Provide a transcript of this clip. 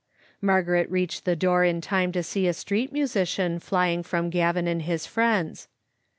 Margaret reached the door in time to see a street musi cian flying from Gavin and his friends.